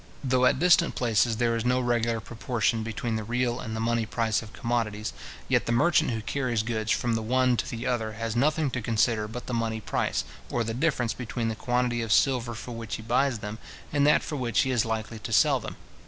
Though at distant places there is no regular proportion between the real and the money price of commodities, yet the merchant who carries goods from the one to the other, has nothing to consider but the money price, or the difference between the quantity of silver for which he buys them, and that for which he is likely to sell them.